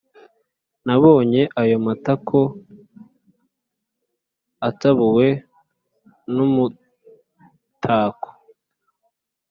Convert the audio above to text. nabonye ayo matako atabuwe n’umutako